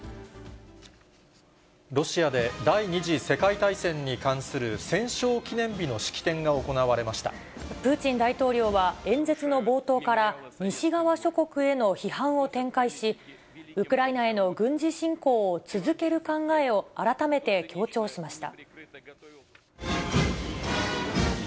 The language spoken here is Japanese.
ロシアで第２次世界大戦に関する戦勝記念日の式典が行われまプーチン大統領は、演説の冒頭から、西側諸国への批判を展開し、ウクライナへの軍事侵攻を続ける考えを、改めて強調しました。